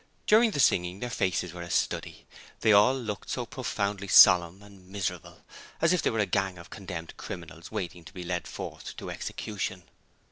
During the singing their faces were a study, they all looked so profoundly solemn and miserable, as if they were a gang of condemned criminals waiting to be led forth to execution.